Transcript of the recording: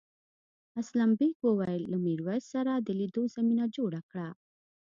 اسلم بېگ وویل له میرويس سره د لیدو زمینه جوړه کړه.